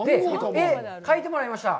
絵を描いてもらいました。